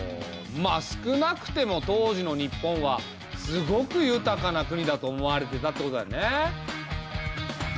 まあ少なくても当時の日本はすごく豊かな国だと思われてたってことだよね。